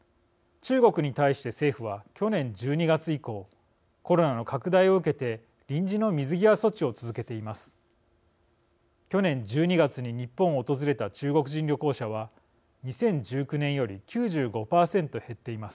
中国に対して政府は去年１２月以降コロナの拡大を受けて臨時の水際措置を続けています。